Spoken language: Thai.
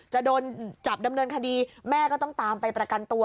จะโดนจับดำเนินคดีแม่ก็ต้องตามไปประกันตัว